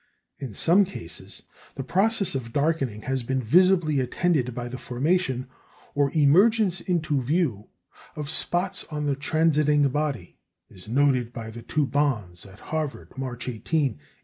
In some cases the process of darkening has been visibly attended by the formation, or emergence into view, of spots on the transiting body, as noted by the two Bonds at Harvard, March 18, 1848.